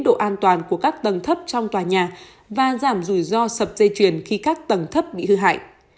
độ an toàn của các tầng thấp trong tòa nhà và giảm rủi ro sập dây chuyền khi các tầng thấp bị hư hại